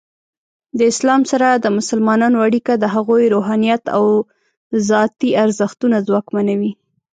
د اسلام سره د مسلمانانو اړیکه د هغوی روحانیت او ذاتی ارزښتونه ځواکمنوي.